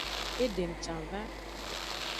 Edem can va.